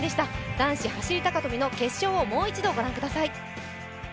男子走高跳の決勝をもう一度ご覧ください。